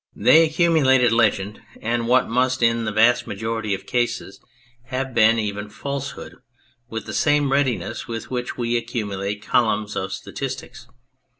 They accumulated legend and what must, in the vast majority of cases, have been even falsehood with the same readiness with which we accumulate columns of statistics.